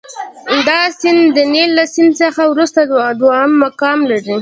دا سیند د نیل له سیند څخه وروسته دوهم مقام لري.